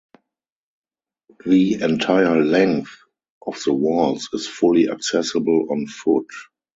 The entire length of the walls is fully accessible on foot.